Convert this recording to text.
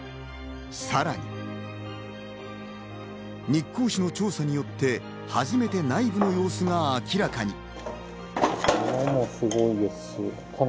さらに日光市の調査によって初めて内部の様子が明らかに。